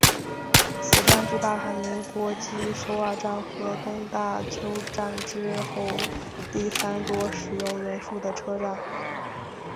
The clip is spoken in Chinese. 此站是大韩民国继首尔站和东大邱站之后第三多使用人数的车站。